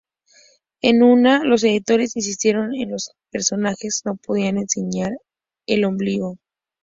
En una, los editores insistieron en que los personajes no podían enseñar el ombligo.